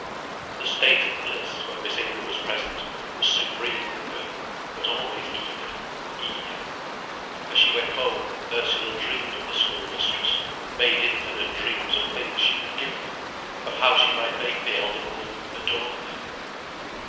The state of bliss, when Miss Inger was present, was supreme in the girl, but always eager, eager. As she went home, Ursula dreamed of the schoolmistress, made infinite dreams of things she could give her, of how she might make the elder woman adore her.